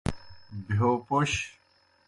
بہیو پوْش۔